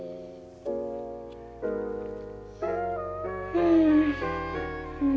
うん！